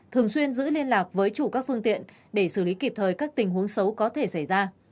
thường xuyên giữ liên lạc với chủ các phương tiện để xử lý kịp thời các tình huống xấu có thể xảy ra